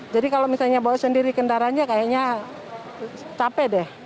jadi kalau misalnya bawa sendiri kendaraannya kayaknya capek deh